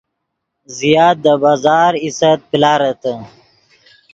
زیات دے بازار ایست پلارتے